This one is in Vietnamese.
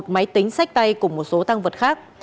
một máy tính sách tay cùng một số tăng vật khác